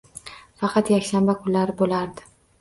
Faqat yakshanba kunlari boʻlardi.